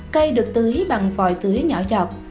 cây được tưới bằng vòi tưới nhỏ chọc